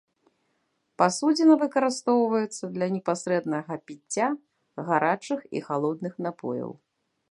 Пасудзіна выкарыстоўваецца для непасрэднага піцця гарачых і халодных напояў.